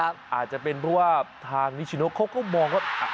อาจจะเป็นเพราะว่าทางนิชโนเขาก็มองว่า